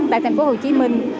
tại thành phố hồ chí minh